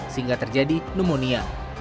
sehingga terjadi pneumonia